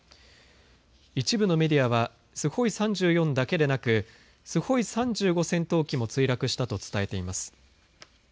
一部のメディアはスホイ３４だけでなくスホイ３５戦闘機も墜落したと伝えています。